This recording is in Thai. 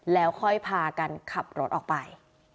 แล้วค่อยพากันขับรถออกไป